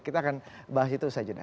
kita akan bahas itu saja